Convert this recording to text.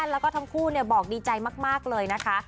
แล้วก็ทั้งคู่บอกดีใจมากเลยนะคะ